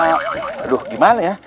aduh gimana ya